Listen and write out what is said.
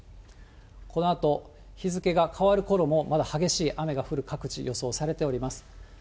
このあと、日付が変わるころも、まだ激しい雨が降る、各地、予想されております。